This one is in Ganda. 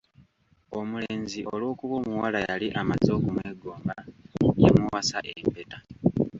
"Omulenzi olw’okuba omuwala yali amaze okumwegomba, yamuwasa empeta."